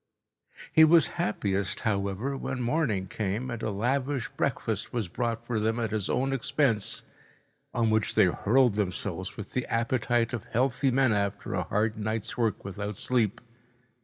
He was happiest, however, when morning came and a lavish breakfast was brought for them at his own expense, on which they hurled themselves with the appetite of healthy men after a hard night's work without sleep.